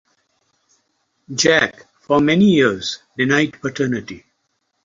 Jack for many years denied paternity.